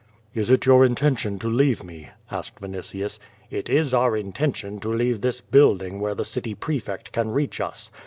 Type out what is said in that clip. Is it your intention to leave me?" asked Vinitius. It 18 our intention to leave this building where the ciiy prefect can reach us.